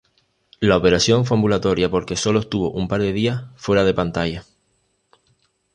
La operación fue ambulatoria porque sólo estuvo un par de días fuera de pantalla.